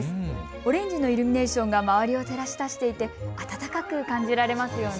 オレンジのイルミネーションが周りを照らしだしていてあたたかく感じられますよね。